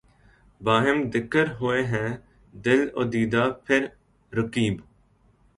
باہم دِکر ہوئے ہیں دل و دیده پهر رقیب